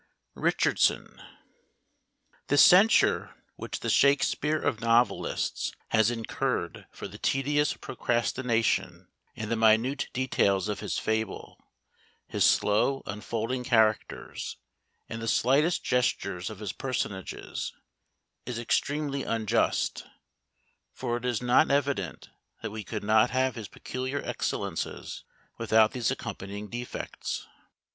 RICHARDSON. The censure which the Shakspeare of novelists has incurred for the tedious procrastination and the minute details of his fable; his slow unfolding characters, and the slightest gestures of his personages, is extremely unjust; for is it not evident that we could not have his peculiar excellences without these accompanying defects?